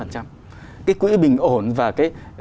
cái quỹ bình ổn và cái